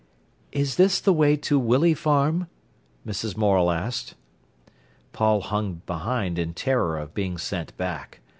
"Is this the way to Willey Farm?" Mrs. Morel asked. Paul hung behind in terror of being sent back.